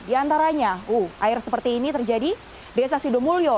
di antaranya air seperti ini terjadi di desa sudomulyo